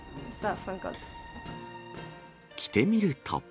着てみると。